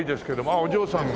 ああお嬢さんが。